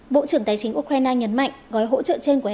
bộ trưởng tài chính ukraine nhấn mạnh gói hỗ trợ trên của eu